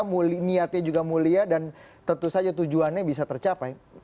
tujuan mereka niatnya juga mulia dan tentu saja tujuannya bisa tercapai